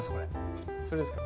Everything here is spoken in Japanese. それですか？